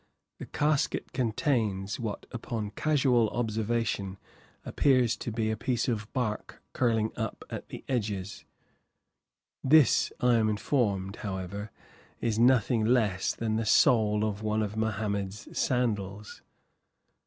The casket contains what upon casual observation appears to be a piece of bark curling up at the edges; this, I am informed, however, is nothing less than the sole of one of Mohammed's sandals.